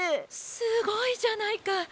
すごいじゃないか！